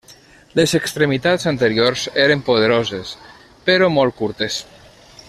Les extremitats anteriors eren poderoses però molt curtes.